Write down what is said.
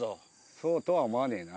そうとは思わねえな。